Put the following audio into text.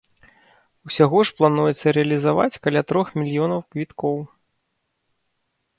Усяго ж плануецца рэалізаваць каля трох мільёнаў квіткоў.